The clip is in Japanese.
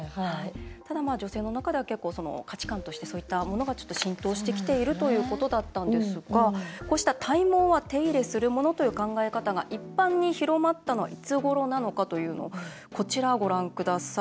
ただ、女性の中では結構、価値観としてそういったものがちょっと浸透してきているということだったんですがこうした、体毛は手入れするものという考え方が一般に広まったのはいつごろなのかというのこちら、ご覧ください。